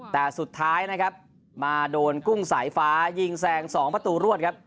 แต่สุดท้ายนะครับมาโดนกุ้งสายฟ้ายิงแซง๒ประตูรวดครับ